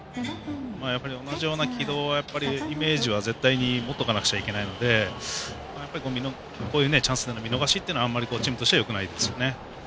同じような軌道のイメージは絶対に持っておかないといけないので見逃しっていうのは、あんまりチームとしてはよくないですね。